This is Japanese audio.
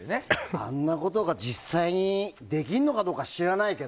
あんなことが実際にできるのかどうか知らないけど。